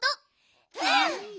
うん！